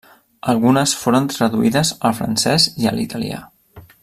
Algunes foren traduïdes al francès i a l'italià.